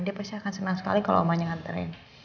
dia pasti akan senang sekali kalau omanya nganterin